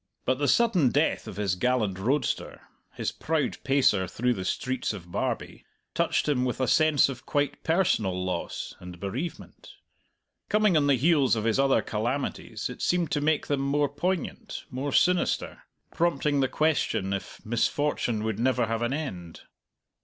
But the sudden death of his gallant roadster, his proud pacer through the streets of Barbie, touched him with a sense of quite personal loss and bereavement. Coming on the heels of his other calamities it seemed to make them more poignant, more sinister, prompting the question if misfortune would never have an end.